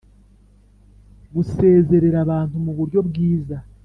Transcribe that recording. gusezerera abantu muburyo bwiza